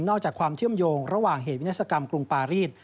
จากความเชื่อมโยงระหว่างเหตุวินาศกรรมกรุงปารีส